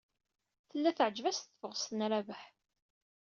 Tella teɛjeb-as tebɣest n Rabaḥ.